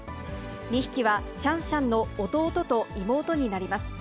２匹はシャンシャンの弟と妹になります。